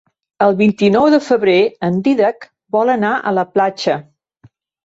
El vint-i-nou de febrer en Dídac vol anar a la platja.